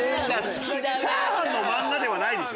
チャーハン漫画ではないでしょ？